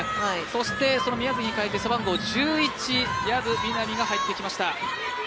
そして、宮崎に代えて背番号１１藪未奈海が入ってきました。